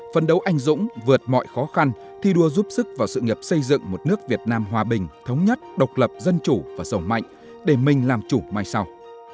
phân đấu anh dũng vượt mọi khó khăn thi đua giúp sức vào sự nghiệp xây dựng một nước việt nam hòa bình thống nhất độc lập dân chủ và sầu mạnh để mình làm chủ mai sau